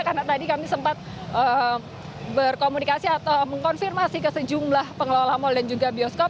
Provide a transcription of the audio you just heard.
karena tadi kami sempat berkomunikasi atau mengkonfirmasi ke sejumlah pengelola mall dan juga bioskop